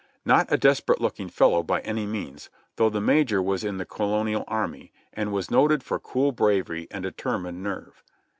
Not a desperate looking fellow by any means, though the Major was in the Colonial Army, and was noted for cool bravery and deter mined nerve.